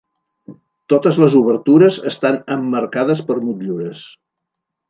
Totes les obertures estan emmarcades per motllures.